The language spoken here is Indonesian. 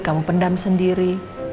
kamu pendam sendiri